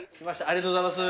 ありがとうございます。